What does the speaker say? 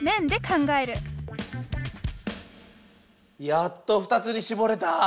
やっと２つにしぼれた！